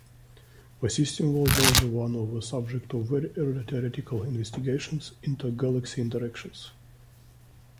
The system was also the subject of very early theoretical investigations into galaxy interactions.